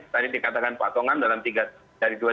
tadi dikatakan pak tongan dalam tiga dari dua ribu delapan belas ya